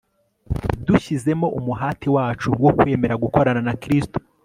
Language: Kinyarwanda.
dushyizemo umuhati wacu wo kwemera gukorana na Kristo